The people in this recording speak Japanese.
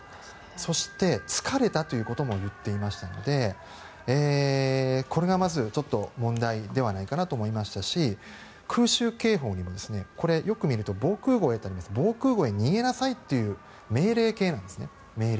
そして疲れたということも言っていましたのでこれがまず問題ではないかなと思いましたし空襲警報にもよく見ると防空壕に逃げなさいという命令形なんです。